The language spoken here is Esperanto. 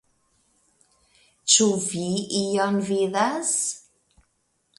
Ĉu vi ion vidas?